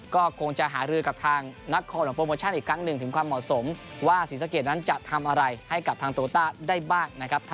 ก็คงจะหารือกับทางนักคอนของโปรโมชั่นอีกครั้งหนึ่งถึงความเหมาะสมว่าศรีสะเกดนั้นจะทำอะไรให้กับทางโตต้าได้บ้างนะครับ